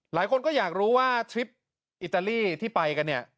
หลายคนก็อยากรู้ว่าทริปอิตาลีที่ไปกันเนี่ย